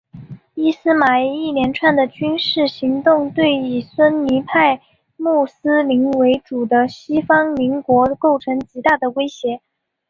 伊斯玛仪一连串的军事行动对以逊尼派穆斯林为主的西方邻国构成极大的威胁。